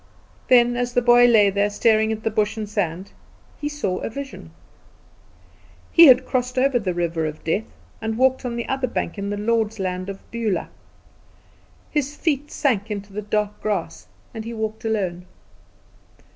Then as the boy lay there staring at bush and sand, he saw a vision. He had crossed the river of Death, and walked on the other bank in the Lord's land of Beulah. His feet sank into the dark grass, and he walked alone.